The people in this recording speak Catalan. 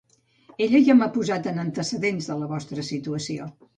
Ella ja m'ha posat en antecedents de la vostra situació.